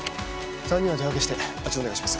３人は手分けしてあちらお願いします。